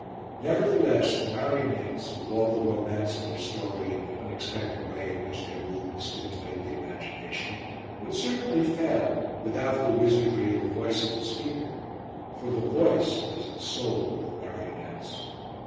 Nevertheless, the marionettes, with all the romance of their story and the unexpected way in which their movements stimulate the imagination, would certainly fail without the wizardry of the voice of the speaker, for the voice is the soul of the marionettes.